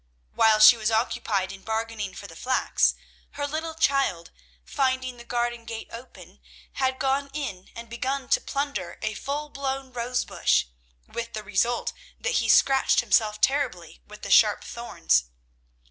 While she was occupied in bargaining for the flax, her little child, finding the garden gate open, had gone in and begun to plunder a full blown rose bush, with the result that he scratched himself terribly with the sharp thorns.